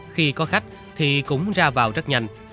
khi có khách thì cũng ra vào rất nhanh